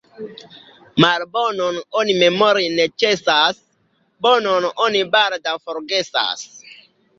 Malbonon oni memori ne ĉesas, bonon oni baldaŭ forgesas.